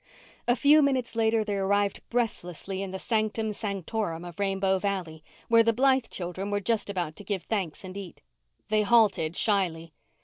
A few minutes later they arrived breathlessly in the sanctum sanctorum of Rainbow Valley where the Blythe children were just about to give thanks and eat. They halted shyly.